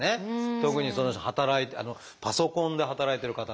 特にその人働いてパソコンで働いてる方々は。